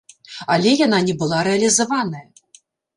Але яна не была рэалізаваная.